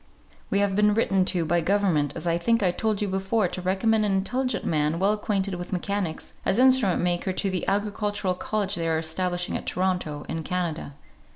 "We have been written to by government, as I think I told you before, to recommend an intelligent man, well acquainted with mechanics, as instrument maker to the Agricultural College they are establishing at Toronto, in Canada.